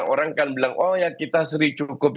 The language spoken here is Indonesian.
orang kan bilang oh ya kita seri cukup